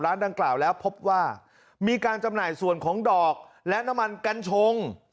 ดังกล่าวแล้วพบว่ามีการจำหน่ายส่วนของดอกและน้ำมันกัญชง